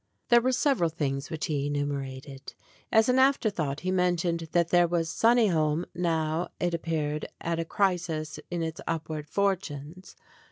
There were several things which he enumerated. As an after thought he mentioned that there was "Sunni holme" now, it appeared, at a crisis in its upward fortunes.